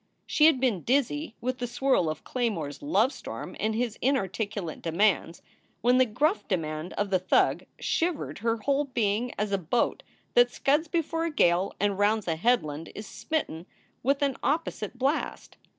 She had been dizzy with the swirl of Claymore s lovestorm and his inarticulate demands, when the gruff demand of the thug shivered her whole being as a boat that scuds before a gale and rounds a headland is smitten with an opposite blast.